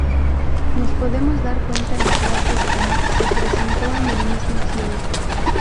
Nos podemos dar cuenta en frases como "Se presentó en el mismo cielo.